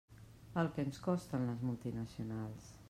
El que ens costen les multinacionals.